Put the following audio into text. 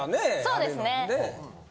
そうですね。